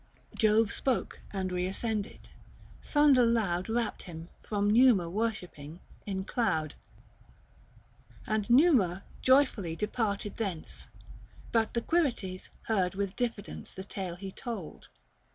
Jove spoke and reascended : thunder loud Wrapped him, from Numa worshipping, in cloud; 80 THE FASTI. Book III. 375 And Numa joyfully departed thence. But the Quirites heard with diffidence The tale he told.